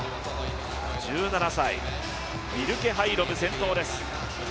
１７歳、ビルケ・ハイロム先頭です。